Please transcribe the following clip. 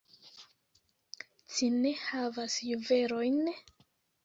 Ci ne havas juvelojn?